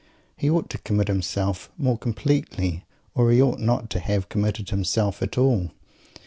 He ought to commit himself more completely, or he ought not to have committed himself at all!